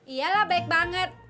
iyalah baik banget